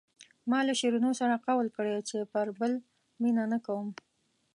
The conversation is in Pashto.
ما له شیرینو سره قول کړی چې پر بل مینه نه کوم.